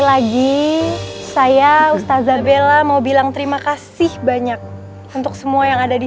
lagi saya ustazabela mau bilang terima kasih banyak untuk semua yang ada di